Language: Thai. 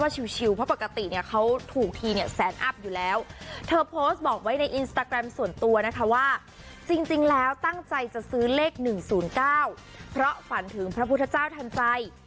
จริงแล้วตั้งใจจะซื้อเลข๑๐๙เพราะฝันถึงพระพุทธเจ้าทันใจ